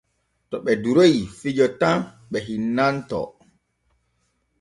To ɓe duroy fijo tan ɓe hinnantoo.